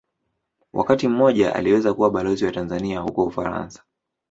Wakati mmoja aliweza kuwa Balozi wa Tanzania huko Ufaransa.